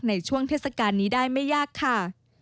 ในช่วงเทศกาลนี้ได้ไม่ยากค่ะ